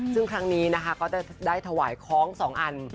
ซึ่งครั้งนี้นะคะก็จะได้ถวายคล้อง๒อัน